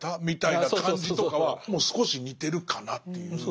みたいな感じとかは少し似てるかなっていう。